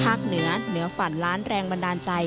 เหนือเหนือฝันล้านแรงบันดาลใจ